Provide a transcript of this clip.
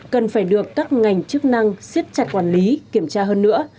cần phải được các ngành chức năng siết chặt quản lý kiểm tra hơn nữa